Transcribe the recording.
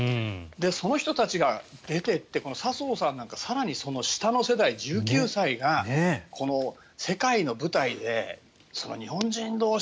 その人たちが出ていって笹生さんなんか更にその下の世代１９歳が世界の舞台で日本人同士。